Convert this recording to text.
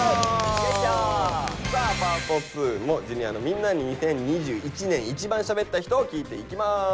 さあパート２もＪｒ．のみんなに「２０２１年いちばんしゃべった人」を聞いていきます。